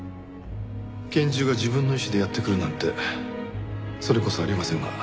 拳銃が自分の意思でやって来るなんてそれこそあり得ませんが。